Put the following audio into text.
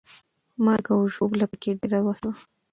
مرګ او ژوبله پکې ډېره وسوه.